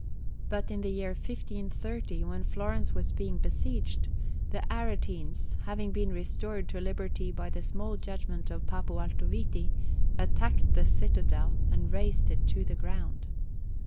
But in the year 1530, when Florence was being besieged, the Aretines, having been restored to liberty by the small judgment of Papo Altoviti, attacked the citadel and razed it to the ground.